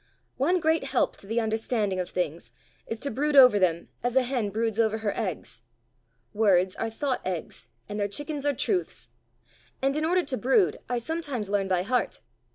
"One great help to the understanding of things is to brood over them as a hen broods over her eggs: words are thought eggs, and their chickens are truths; and in order to brood I sometimes learn by heart.